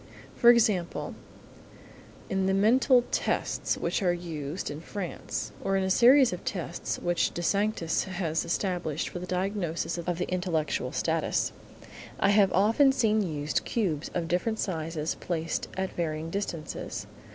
For example, in the mental tests which are used in France, or in a series of tests which De Sanctis has established for the diagnosis of the intellectual status, I have often seen used cubes of different sizes placed at varying distances.